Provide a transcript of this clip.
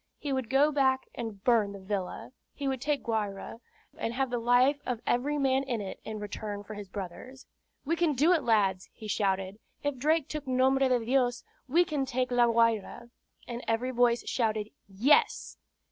He would go back and burn the villa. He would take Guayra, and have the life of every man in it in return for his brother's. "We can do it, lads!" he shouted. "If Drake took Nombre de Dios, we can take La Guayra." And every voice shouted, "Yes."